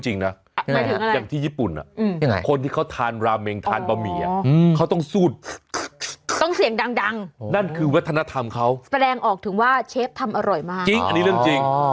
จริงอันนี้เรื่องจริง